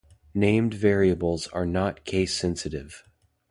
Named variables are not case sensitive.